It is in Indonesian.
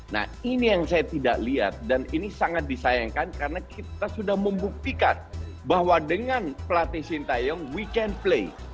nah ini yang saya tidak lihat dan ini sangat disayangkan karena kita sudah membuktikan bahwa dengan pelatih sintayong weekend play